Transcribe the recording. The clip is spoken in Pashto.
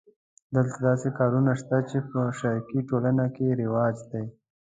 دلته داسې کارونه شته چې په شرقي ټولنو کې رواج دي.